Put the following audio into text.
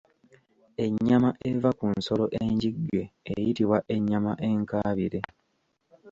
Ennyama eva ku nsolo enjigge eyitibwa Ennyama enkaabire.